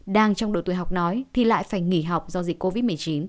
đang trong độ tuổi học nói thì lại phải nghỉ học do dịch covid một mươi chín